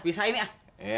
bisa ini ah